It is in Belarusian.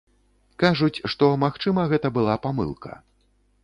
Кажуць, што, магчыма, гэта была памылка.